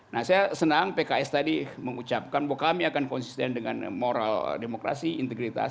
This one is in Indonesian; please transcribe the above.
nah saya senang pks tadi mengucapkan bahwa kami akan konsisten dengan moral demokrasi integritas